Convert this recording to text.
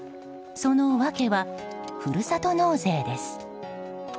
その訳はふるさと納税です。